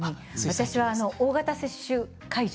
私は大型接種会場